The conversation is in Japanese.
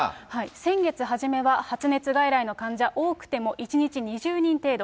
先月初めは発熱外来の患者、多くても１日２０人程度。